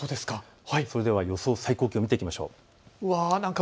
それでは予想最高気温を見ていきましょう。